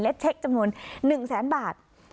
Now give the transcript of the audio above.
และเช็คจำนวน๑แสนบาท